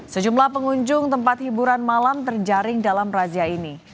sejumlah pengunjung tempat hiburan malam terjaring dalam razia ini